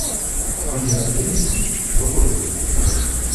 Villa Félicie, Bois-Colombes